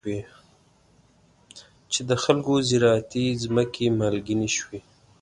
چې د خلکو زراعتي ځمکې مالګینې شوي.